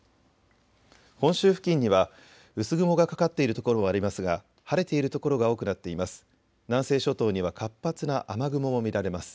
本州付近には薄雲がかかっているところもありますが晴れている所が多くなっています。